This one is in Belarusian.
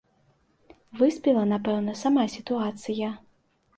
Выспела, напэўна, сама сітуацыя.